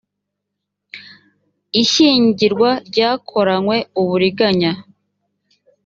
ishyingirwa ryakoranywe uburiganya